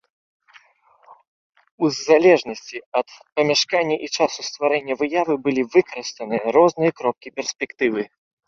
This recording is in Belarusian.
У залежнасці ад памяшкання і часу стварэння выявы былі выкарыстаныя розныя кропкі перспектывы.